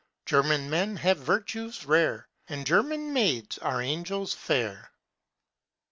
German men have virtues rare, And German maids are angels fair.